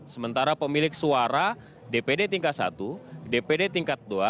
sementara pemilik suara dpd tingkat satu dpd tingkat dua